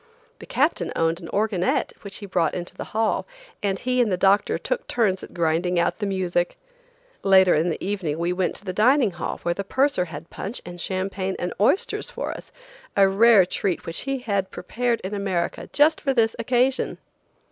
The captain owned an organette which he brought into the hall, and he and the doctor took turns at grinding out the music. Later in the evening we went to the dining hall where the purser had punch and champagne and oysters for us, a rare treat which he had prepared in America just for this occasion.